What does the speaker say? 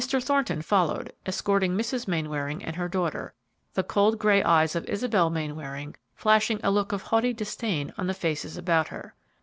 Thornton followed, escorting Mrs. Mainwaring and her daughter, the cold, gray eyes of Isabel Mainwaring flashing a look of haughty disdain on the faces about her.